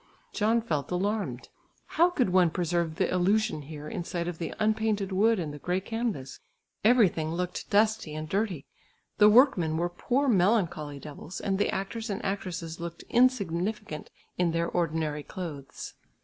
John felt alarmed. How could one preserve the illusion hero in sight of the unpainted wood and the grey canvas? Everything looked dusty and dirty; the workmen were poor melancholy devils, and the actors and actresses looked insignificant in their ordinary clothes.